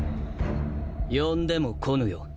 呼んでも来ぬよ。